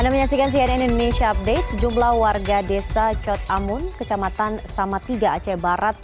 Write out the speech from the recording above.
anda menyaksikan cnn indonesia update jumlah warga desa chot amun kecamatan samatiga aceh barat